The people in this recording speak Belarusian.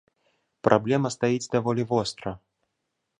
Праблема стаіць даволі востра.